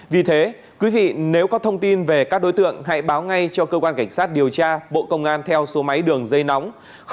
vì thế quý vị nếu có thông tin về các đối tượng hãy báo ngay cho cơ quan cảnh sát điều tra bộ công an theo số máy đường dây nóng sáu mươi chín